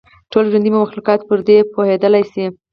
ټول ژوندي مخلوقات پرې پوهېدلای شي.